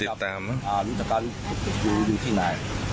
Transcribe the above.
อาวุธนึงดีอันนี้ลูกฝันของตัวเองูทรงครู